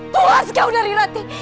puas kau dari rati